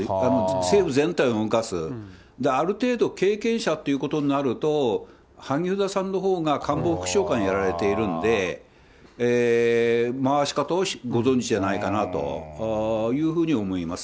政府全体を動かす、ある程度経験者ということになると、萩生田さんのほうが、官房副長官やられてるんで、回し方をご存じじゃないかなというふうに思います。